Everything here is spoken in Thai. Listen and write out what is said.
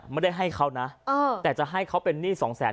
ไม่ได้ให้เขานะแต่จะให้เขาเป็นหนี้สองแสน